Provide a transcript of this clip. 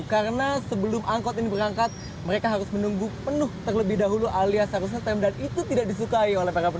karena sebelum angkot ini berangkat mereka harus menunggu penuh terlebih dahulu alias harusnya teman dan itu tidak disukai